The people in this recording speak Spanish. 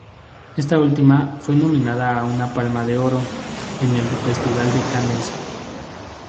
Esta última fue nominada a una Palma de Oro en el Festival de Cannes.